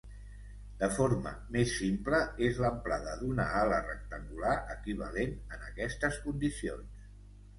De forma més simple, és l'amplada d'una ala rectangular equivalent en aquestes condicions.